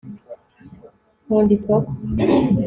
nkunda isoko